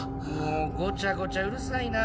もうごちゃごちゃうるさいな！